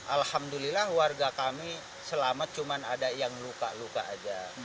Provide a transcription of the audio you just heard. alhamdulillah warga kami selamat cuma ada yang luka luka aja